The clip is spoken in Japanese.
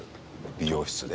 美容室で？